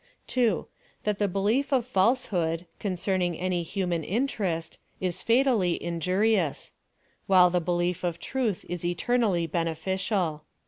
2. That the belief of falsehood, concerning any human interest, is fatally injurious ; while the be lief of truth is eternally beneficial.